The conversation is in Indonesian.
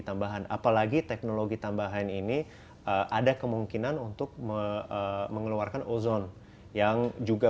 tambahan apalagi teknologi tambahan ini ada kemungkinan untuk mengeluarkan ozon yang juga